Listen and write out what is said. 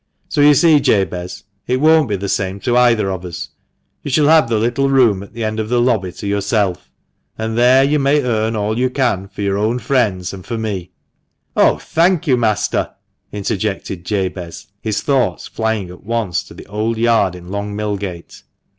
So you see, Jabez, it won't be the same to either of us You shall have the little THE MANCHESTER MAM. 157 room at the end of the lobby to yourself, and there you may earn all you can for your own friends and for me." " Oh, thank you, master !" interjected Jabez, his thoughts flying at once to the old yard in Long Millgate.